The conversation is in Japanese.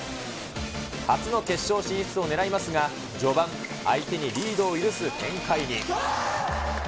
初の決勝進出を狙いますが、序盤、相手にリードを許す展開に。